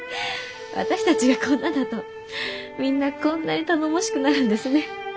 私たちがこんなだとみんなこんなに頼もしくなるんですね。